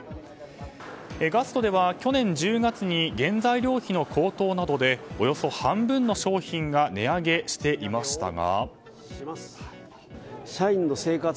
ガストでは去年１０月に原材料費の高騰などでおよそ半分の商品が値上げしていましたが。